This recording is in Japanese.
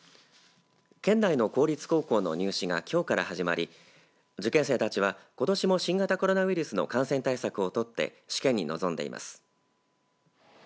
県内の公立高校の入試がきょうから始まり受験生たちはことしも新型コロナウイルスの感染対策を取って試験に臨んでいます。